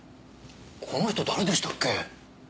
この人誰でしたっけ？